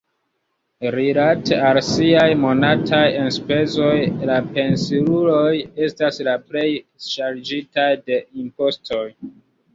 Rilate al siaj monataj enspezoj, la pensiuloj estas la plej ŝarĝitaj de impostoj.